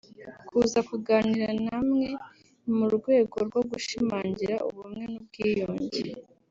Kuza kuganira namwe ni mu rwego rwo gushimangira ubumwe n’ubwiyunge